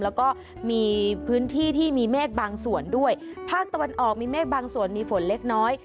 แล้วก็มีพื้นที่ที่มีเมฆบางส่วนด้วยภาคตะวันออกมีเมฆบางส่วนมีฝนเล็กน้อย